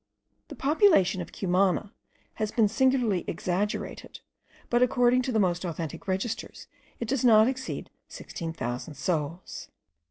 The population of Cumana has been singularly exaggerated, but according to the most authentic registers it does not exceed 16,000 souls.